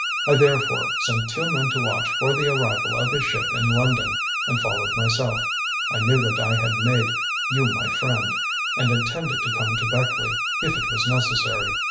I therefore sent two men to watch for the arrival of his ship in London and followed myself. I knew that I had made you my friend, and intended to come to Beckleigh, if it was necessary.